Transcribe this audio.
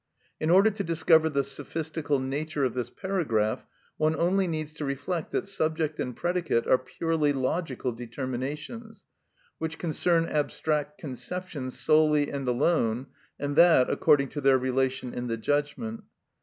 In order to discover the sophistical nature of this paragraph, one only needs to reflect that subject and predicate are purely logical determinations, which concern abstract conceptions solely and alone, and that according to their relation in the judgment.